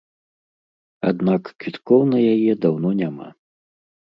Аднак квіткоў на яе даўно няма.